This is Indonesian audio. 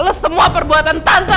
lepas semua perbuatan tante